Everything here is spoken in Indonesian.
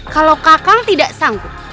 kalau kakak tidak sanggup